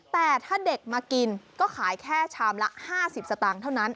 แต่ถ้าเด็กมากินก็ขายแค่ชามละ๕๐สตางค์เท่านั้น